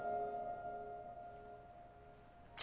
じゃ。